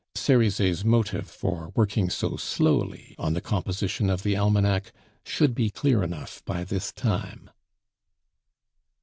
Cerizet's motive for working so slowly on the composition of the almanac should be clear enough by this time.